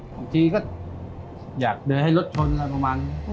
บางทีก็อยากเดินให้รถชนอะไรประมาณ